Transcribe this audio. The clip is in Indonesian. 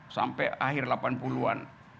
sampai akhir delapan puluh an